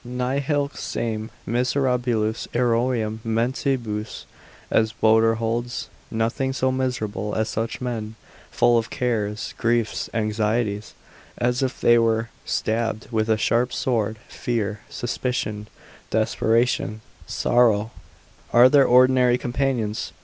Nihil sane miserabilius eorum mentibus, (as Boter holds) nothing so miserable as such men, full of cares, griefs, anxieties, as if they were stabbed with a sharp sword, fear, suspicion, desperation, sorrow, are their ordinary companions.